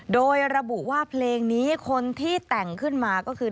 โดยระบุว่าเพลงนี้คนที่แต่งขึ้นมาก็คือ